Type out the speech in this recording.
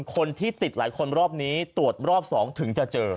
คนที่ติดหลายคนรอบนี้ตรวจรอบ๒ถึงจะเจอ